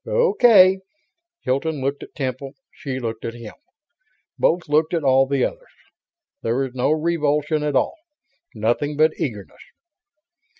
"Okay." Hilton looked at Temple; she looked at him; both looked at all the others. There was no revulsion at all. Nothing but eagerness.